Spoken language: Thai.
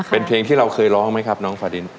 เป็นเพลงที่เราเคยร้องไหมครับน้องฟาดิน